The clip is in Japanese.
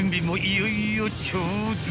［いよいよ］